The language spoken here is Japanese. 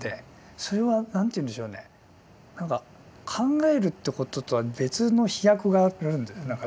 それは何ていうんでしょうね何か考えるってこととは別の飛躍があるんです何かね。